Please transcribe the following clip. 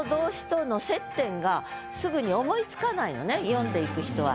読んでいく人は。